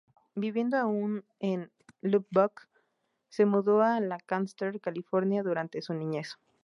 Viviendo aún en Lubbock se mudó a Lancaster, California durante su niñez.